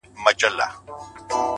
o ماته به بله موضوع پاته نه وي ـ